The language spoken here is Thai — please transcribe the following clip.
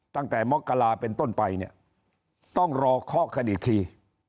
ตั้งแต่มกราเป็นต้นไปเนี่ยต้องรอเคาะกันอีกที